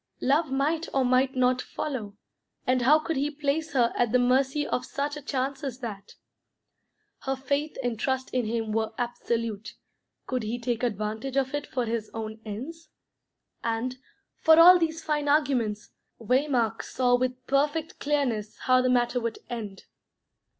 Love might or might not follow, and how could he place her at the mercy of such a chance as that? Her faith and trust in him were absolute; could he take advantage of it for his own ends? And, for all these fine arguments, Waymark saw with perfect clearness how the matter would end.